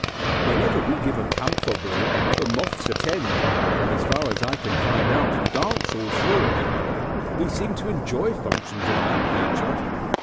Whenever we give a camphor ball the moths attend, and as far as I can find out dance all through it. They seem to enjoy functions of that nature.